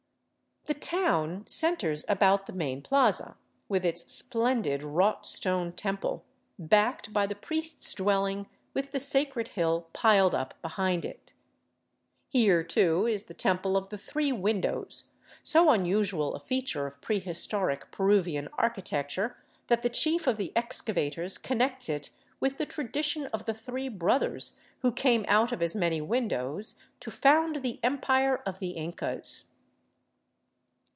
The town centers about the main plaza, with its splendid wrought stone temple, backed by the priest's dwelling with the sacred hill piled up behind it. Here, too, is the temple of the three windows, so un usual a feature of prehistoric Peruvian architecture that the chief of the excavators connects it with the tradition of the three brothers who came out of as many windows to found the Empire of the Incas.